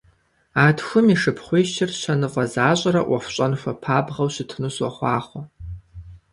А тхум и шыпхъуищыр щэныфӀэ защӀэрэ Ӏуэху щӀэн хуэпабгъэу щытыну сохъуахъуэ!